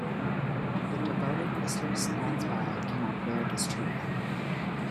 The devoted Mr. Snagsby cannot bear this treatment.